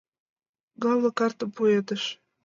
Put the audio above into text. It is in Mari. Галло картым пуэдыш.